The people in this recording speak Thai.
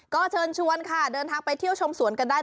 ก็เชิญชวนค่ะเดินทางไปเที่ยวชมสวนกันได้